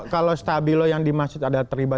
kalau stabilo yang dimaksud ada terlibat